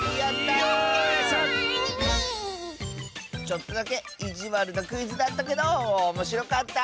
ちょっとだけいじわるなクイズだったけどおもしろかった。